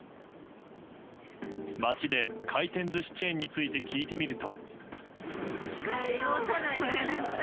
街で回転寿司チェーンについて聞いてみると。